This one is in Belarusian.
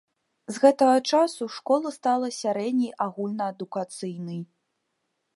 З гэтага часу школа стала сярэдняй агульнаадукацыйнай.